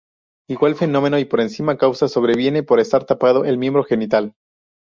Igual fenómeno y por la misma causa sobreviene por estar tapado el miembro genital.